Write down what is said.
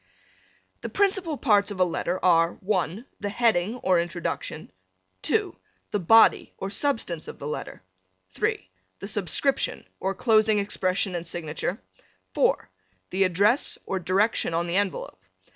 The principal parts of a letter are (1) the heading or introduction; (2) the body or substance of the letter; (3) the subscription or closing expression and signature; (4) the address or direction on the envelope.